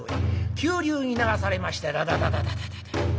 急流に流されましてダダダダダダダッ。